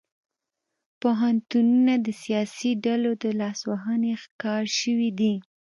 پوهنتونونه د سیاسي ډلو د لاسوهنې ښکار شوي دي